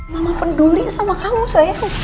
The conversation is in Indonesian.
mama peduli sama kamu sayang